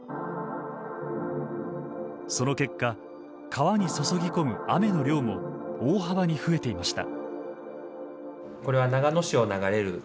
その結果川に注ぎ込む雨の量も大幅に増えていました。